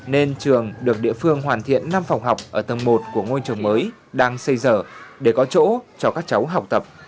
nên trường được địa phương hoàn thiện năm phòng học ở tầng một của ngôi trường mới đang xây dở để có chỗ cho các cháu học tập